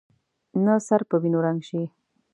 نه سر په وینو رنګ شي.